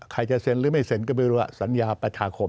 ใครจะเซ็นหรือไม่เซ็นก็ไม่รู้ว่าสัญญาประชาคม